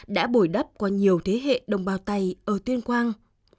đã bồi đắp qua nhiều thế hệ đồng bào tày ở tuyên quang